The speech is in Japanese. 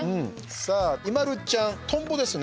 さあＩＭＡＬＵちゃんとんぼですね。